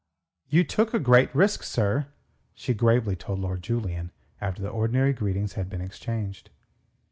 "You took a great risk, sir," she gravely told Lord Julian after the ordinary greetings had been exchanged.